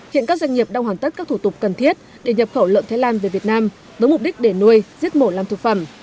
hiện các doanh nghiệp đang hoàn tất các thủ tục cần thiết để nhập khẩu lợn thái lan về việt nam với mục đích để nuôi giết mổ làm thực phẩm